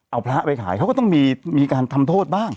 เอาพระไปขายเขาก็ต้องมีการทำโทษบ้าง